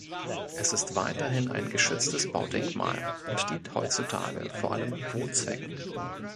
Es ist weiterhin ein geschütztes Baudenkmal und dient heutzutage vor allem Wohnzwecken.